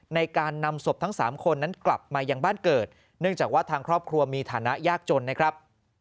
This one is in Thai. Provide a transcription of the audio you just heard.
ในการนำศพทั้ง๓คนนั้นกลับมายังบ้านเกิดเนื่องจากว่าทางครอบครัวมีฐานะยากจนนะครับ